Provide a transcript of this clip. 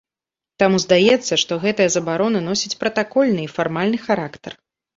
Таму здаецца, што гэтая забарона носіць пратакольны і фармальны характар.